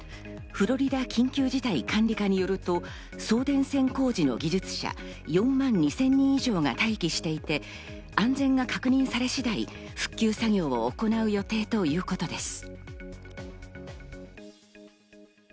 フロリダ緊急事態管理課によると、送電線工事の技術者、４万２０００人以上が待機していて、安全が確認され次第、復旧作業を行う予定ということです。